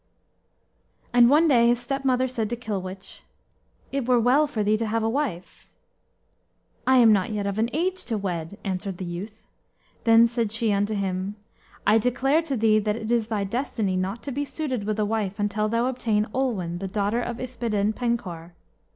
And one day his stepmother said to Kilwich, "It were well for thee to have a wife." "I am not yet of an age to wed," answered the youth. Then said she unto him, "I declare to thee that it is thy destiny not to be suited with a wife until thou obtain Olwen, the daughter of Yspadaden Penkawr."